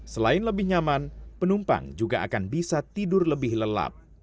selain lebih nyaman penumpang juga akan bisa tidur lebih lelap